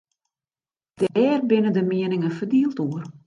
Dêr binne de mieningen ferdield oer.